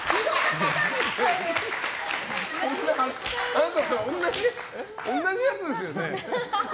あなたそれ同じやつですよね？